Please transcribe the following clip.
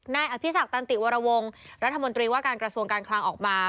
อภิษักตันติวรวงรัฐมนตรีว่าการกระทรวงการคลังออกมา